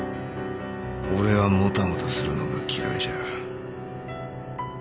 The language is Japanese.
俺はもたもたするのが嫌いじゃ。